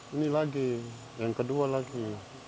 ini lagi yang kedua lagi